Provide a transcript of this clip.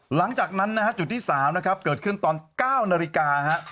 หลังจากนั้นนะฮะจุดที่๓นะครับเกิดขึ้นตอน๙นาฬิกาฮะ